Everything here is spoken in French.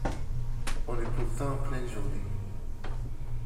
On est pourtant en pleine journée.